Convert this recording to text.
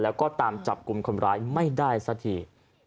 แล้วก็ตามจับกลุ่มคนร้ายไม่ได้สักที